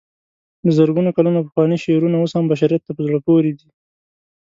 د زرګونو کلونو پخواني شعرونه اوس هم بشریت ته په زړه پورې دي.